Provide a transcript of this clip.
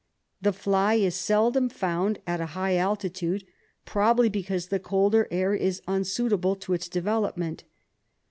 The fly is seldom found at a high altitude, probably be cause the colder air is unsuitable to its development.